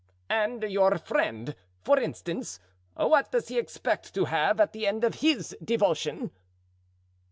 "And your friend, for instance; what does he expect to have at the end of his devotion?"